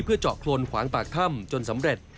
เพื่อเจาะโครนขวางปากถ้ำจนสำเร็จ